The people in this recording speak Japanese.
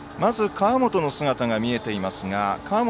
川元の姿が見えています。